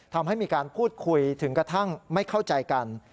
ทำให้มีการพูดคุยถึงกระทั่งไม่เข้าใจกัน